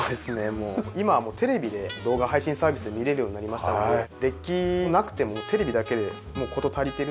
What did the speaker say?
もう今はテレビで動画配信サービスが見れるようになりましたのでデッキなくてもテレビだけで事足りてるという。